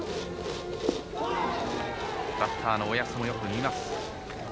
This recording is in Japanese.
バッターの親富祖もよく見ます。